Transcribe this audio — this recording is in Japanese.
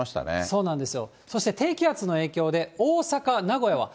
そうなんです。